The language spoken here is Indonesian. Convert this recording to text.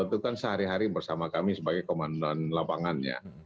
itu kan sehari hari bersama kami sebagai komandan lapangannya